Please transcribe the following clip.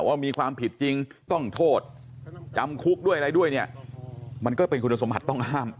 ว่ามีความผิดจริงต้องโทษจำคุกด้วยอะไรด้วยเนี่ยมันก็เป็นคุณสมบัติต้องห้าม